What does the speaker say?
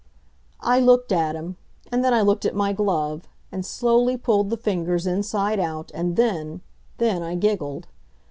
I looked at him. And then I looked at my glove, and slowly pulled the fingers inside out, and then then I giggled.